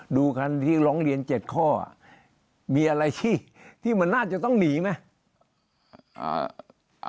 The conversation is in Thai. ดูคันที่ร้องเรียน๗ข้อมีอะไรสิที่มันน่าจะต้องหนีไหม